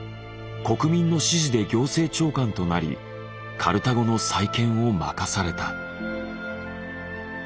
国民の支持で行政長官となりカルタゴの再建を任された。